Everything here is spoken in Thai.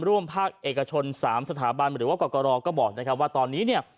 ร่วมภาคเอกชน๓สถาบันหรือว่ากรกรก็บอกว่าตอนนี้